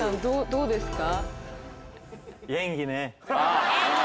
どうですか？